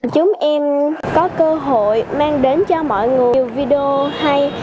chúng em có cơ hội mang đến cho mọi người nhiều video hay